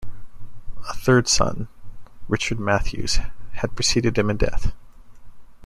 A third son, Richard Mathews, had preceded him in death.